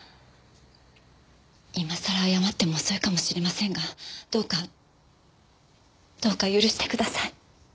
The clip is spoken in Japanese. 今さら謝っても遅いかもしれませんがどうかどうか許してください。